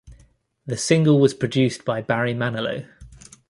The single was produced by Barry Manilow.